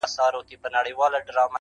له سدیو دا یوه خبره کېږي!.